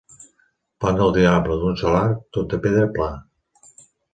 Pont del diable, d'un sol arc, tot de pedra, pla.